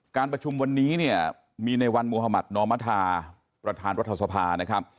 การประชุมวันนี้เนี่ยมีในวันมุธมัธนอมธาประธานรัฐสภานะครับ